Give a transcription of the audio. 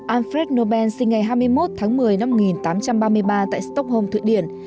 alfred nobel sinh ngày hai mươi một tháng một mươi năm một nghìn tám trăm ba mươi ba tại stockholm thụy điển